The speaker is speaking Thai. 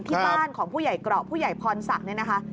ที่บ้านของผู้ใหญ่เกราะผู้ใหญ่พรศักดิ์เนี่ยนะคะ